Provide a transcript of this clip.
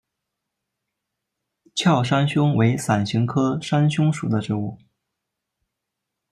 鞘山芎为伞形科山芎属的植物。